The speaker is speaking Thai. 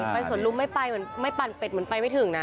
ไปสวนลุมไม่ไปมันไม่ปรรณเป็ดมันไปไม่ถึงนะ